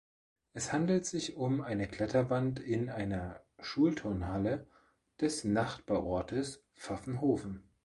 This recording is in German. Es handelt sich um eine Kletterwand in einer Schulturnhalle des Nachbarortes Pfaffenhofen.